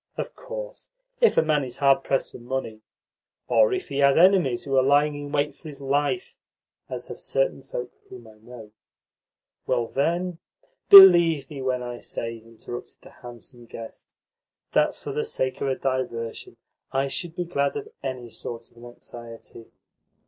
Of course, if a man is hard pressed for money, or if he has enemies who are lying in wait for his life (as have certain folk of whom I know), well, then " "Believe me when I say," interrupted the handsome guest, "that, for the sake of a diversion, I should be glad of ANY sort of an anxiety.